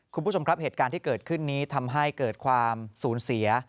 คุณผู้ชมครับเหตุการณ์ที่เกิดขึ้นนี้ทำให้เกิดความสูญเสีย